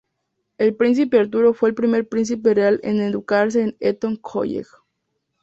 El príncipe Arturo fue el primer príncipe real en educarse en Eton College.